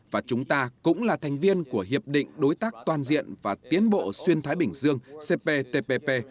và chúng ta cũng là thành viên của hiệp định đối tác toàn diện và tiến bộ xuyên thái bình dương cptpp